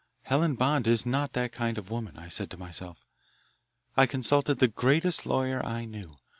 Helen Bond is not that kind of a woman, I said to myself. I consulted the greatest lawyer I knew.